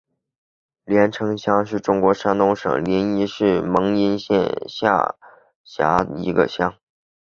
联城乡是中国山东省临沂市蒙阴县下辖的一个乡。